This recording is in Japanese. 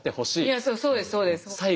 いやそうですそうです。